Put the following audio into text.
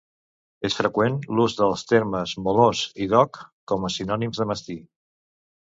És freqüent l'ús dels termes molós i dog com a sinònims de mastí.